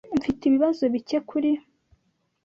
Mfite ibibazo bike kuri .